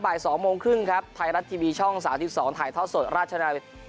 บ่ายสองโมงครึ่งครับไทยรัสทีวีช่องสาวที่สองถ่ายทอดสดราชนาวี